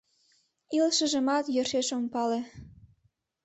Илышыжымат йӧршеш ом пале.